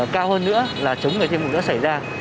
cao hơn nữa là chống người thiên vụ đã xảy ra